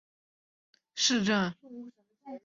伊塔伊是巴西圣保罗州的一个市镇。